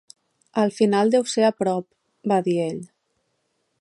"El final deu ser a prop," va dir ell.